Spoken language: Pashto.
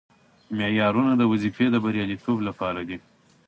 دا معیارونه د وظیفې د بریالیتوب لپاره دي.